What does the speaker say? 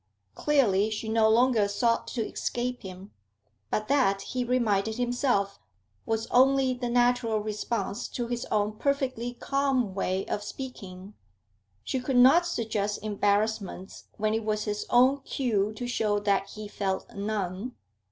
Clearly she no longer sought to escape him. But that, he reminded himself, was only the natural response to his own perfectly calm way of speaking; she could not suggest embarrassments when it was his own cue to show that he felt none.